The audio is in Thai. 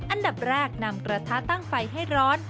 อันดับแรกนำกระทะตั้งไฟให้ร้อน